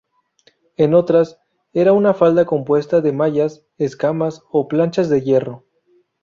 En otras, era una falda compuesta de mallas, escamas o planchas de hierro.